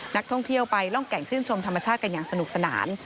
นักท่องเที่ยวไปร่องแก่งชื่นชมธรรมชาติกันอย่างสนุกสนาน